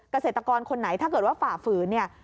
เกษตรกรคนไหนถ้าเกิดว่าฝ่าฝืนเนี่ย